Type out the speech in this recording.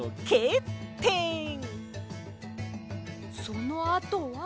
そのあとは。